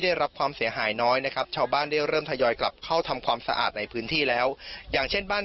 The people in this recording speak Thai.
โดยจะเห็นว่าบ้านพวกประชาชน